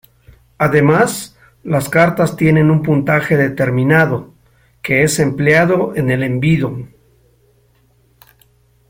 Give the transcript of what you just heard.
Además, las cartas tienen un puntaje determinado, que es empleado en el "envido".